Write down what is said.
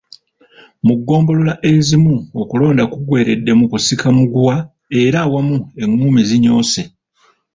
Mu ggombolola ezimu okulonda kuggweeredde mu kusika muguwa era awamu enguumi zinyoose.